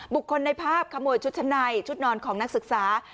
บุคคลในภาพขโมยชุดชั้นในชุดนอนของนักศึกษา